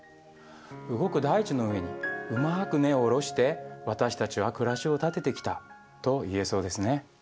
動く大地の上にうまく根を下ろして私たちは暮らしを立ててきたと言えそうですね。